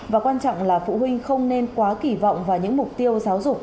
và quan trọng là phụ huynh không nên quá kỳ vọng vào những mục tiêu giáo dục